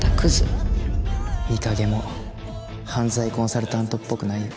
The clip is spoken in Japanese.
美影も犯罪コンサルタントっぽくないよ。